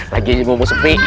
lagi mumpung sepi